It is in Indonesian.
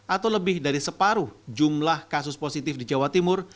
atau lebih dari separuh jumlah kasus positif di jawa timur